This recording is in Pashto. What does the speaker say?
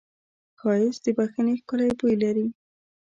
ښایست د بښنې ښکلی بوی لري